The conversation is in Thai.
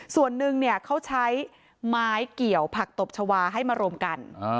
ส่วนหนึ่งเขาใช้ไม้เกี่ยวผักตบชาวาให้มารวมกัน